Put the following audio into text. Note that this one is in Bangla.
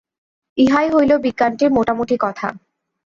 ইহাই হইল বিজ্ঞানটির মোটামুটি কথা।